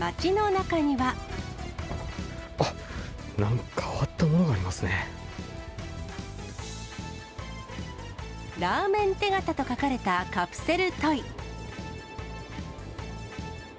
あっ、ラーメン手形と書かれたカプセルトイ。